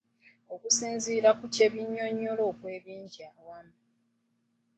Osinziira ku kya kunnyonyola okw'ebingi awamu